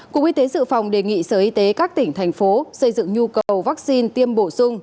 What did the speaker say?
cục y tế dự phòng đề nghị sở y tế các tỉnh thành phố xây dựng nhu cầu vaccine tiêm bổ sung